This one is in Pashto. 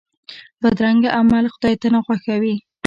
بدرنګه عمل خدای ته ناخوښه وي